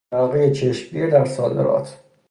ترقی چشمگیر در صادرات